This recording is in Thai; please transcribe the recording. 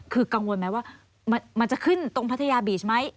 คือกังวลไหมว่ามันจะขึ้นตรงพัทยาบีชไหม